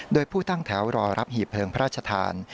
โดยผู้ตั้งแถวรอรับหีบเพลิงพระราชทาน